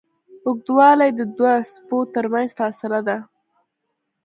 اوږدوالی د دوو څپو تر منځ فاصله ده.